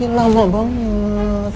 ya lama banget